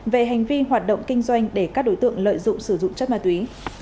về hành vi hoạt động kinh doanh để các đối tượng lợi dụng sử dụng chất ma túy